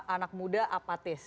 anak muda apatis